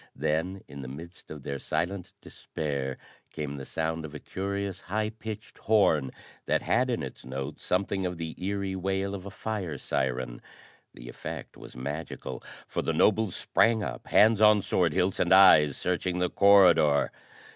Then, in the midst of their silent despair, came the sound of a curious, high pitched horn that had in its note something of the eery wail of a fire siren. The effect was magical, for the nobles sprang up, hands on sword hilts and eyes searching the corridor.